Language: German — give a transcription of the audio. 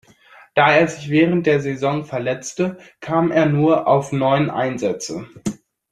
Da er sich während der Saison verletzte, kam er nur auf neun Einsätze.